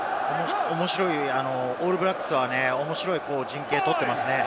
オールブラックスは面白い陣形をとっていますね。